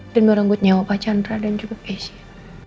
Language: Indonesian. dan merangkut nyawa pak chandra dan juga keisha